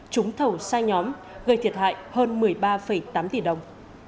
trúng thầu sai nhóm gây thiệt hại hơn một mươi ba tám tỷ đồng